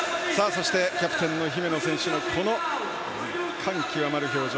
そして、キャプテンの姫野選手のこの感極まる表情。